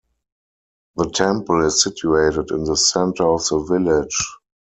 The temple is situated in the centre of the village.